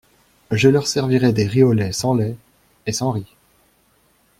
Je leur servirai des riz au lait sans lait… et sans riz !…